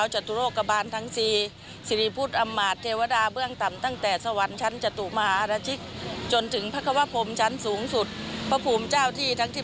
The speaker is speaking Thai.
จนนั้นใดในชุดแหละนี้